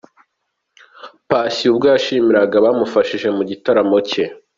Patient ubwo yahsimiraga abamufashije mu gitaramo cye.